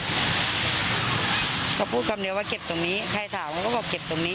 เขาพูดคำเดียวว่าเก็บตรงนี้ใครถามเขาก็บอกเก็บตรงนี้